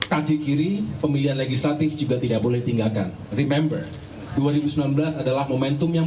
kaki kiri pemilihan legislatif juga tidak boleh tinggalkan remember dua ribu sembilan belas adalah momentum yang